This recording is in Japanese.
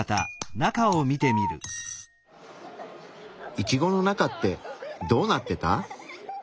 イチゴの中ってどうなってた？